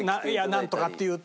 なんとかっていうと。